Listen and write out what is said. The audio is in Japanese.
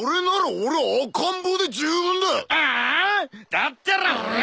だったら俺は。